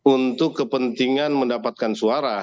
untuk kepentingan mendapatkan suara